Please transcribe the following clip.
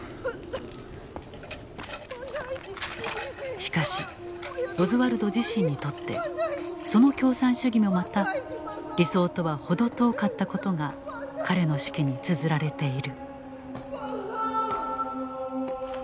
しかしオズワルド自身にとってその共産主義もまた理想とは程遠かったことが彼の手記につづられている。